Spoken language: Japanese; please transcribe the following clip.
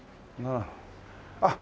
あっ。